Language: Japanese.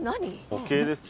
模型ですか？